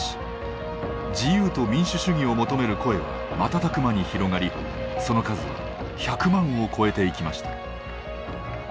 自由と民主主義を求める声は瞬く間に広がりその数は１００万を超えていきました。